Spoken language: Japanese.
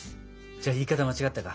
じゃあ言い方間違ったか。